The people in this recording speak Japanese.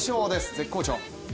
絶好調！